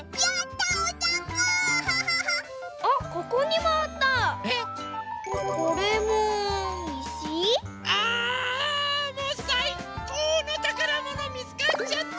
もうさいこうのたからものみつかっちゃった！